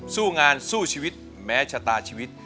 สู้งานสู้ชีวิตแม้ชะตาชีวิต